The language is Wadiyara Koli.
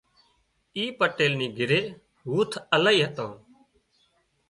اي پٽيل نِي گھري هوٿ الاهي هتان